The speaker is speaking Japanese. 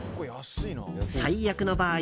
最悪の場合